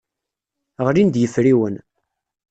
Ɣlin-d yefriwen.